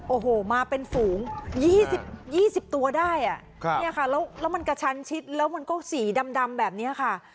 โอ้โหมาเป็นฝูง๒๐ตัวได้แล้วมันกระชันชิดแล้วมันก็สีดำแบบนี้ค่ะ